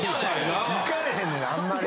いかれへんねんあんまり。